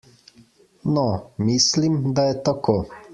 No, mislim, da je tako.